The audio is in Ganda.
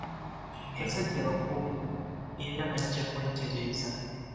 Basajja bakulu era bajja kwetereeza.